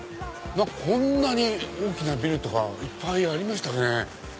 こんなに大きなビルとかいっぱいありましたね。